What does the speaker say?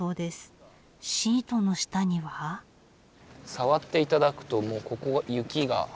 触っていただくともうここ雪が。